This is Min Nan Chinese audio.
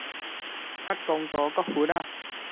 較公道閣佛仔